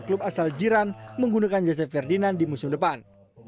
kelab asal jiran menggunakan joseph ferdinand di musim depan